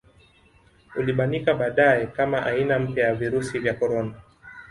Ulibanika baadaye kama aina mpya ya virusi vya korona